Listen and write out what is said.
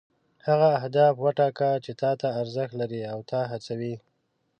هغه اهداف وټاکه چې تا ته ارزښت لري او تا هڅوي.